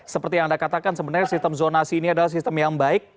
seperti yang anda katakan sebenarnya sistem zonasi ini adalah sistem yang baik